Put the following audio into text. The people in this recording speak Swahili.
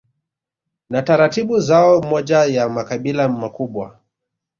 na taratibu zao Moja ya makabila makubwa